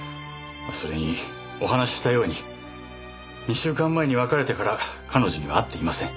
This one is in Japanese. それにお話ししたように２週間前に別れてから彼女には会っていません。